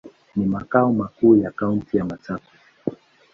Ni makao makuu ya kaunti ya Machakos.